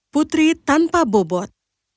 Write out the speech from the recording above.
putri tanpa bobot